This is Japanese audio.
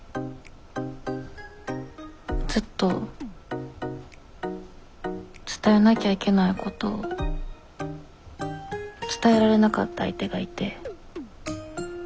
ずっと伝えなきゃいけないことを伝えられなかった相手がいて。